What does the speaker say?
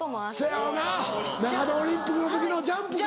そやわな長野オリンピックの時のジャンプか。